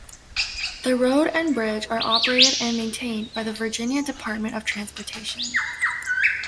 The road and bridge are operated and maintained by the Virginia Department of Transportation.